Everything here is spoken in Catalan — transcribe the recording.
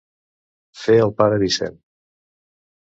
Fer el pare Vicent.